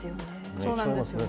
そうなんですよね。